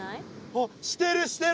あっしてるしてる！